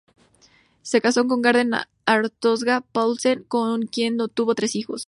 Se casó con Carmen Astorga Paulsen, con quien tuvo tres hijos.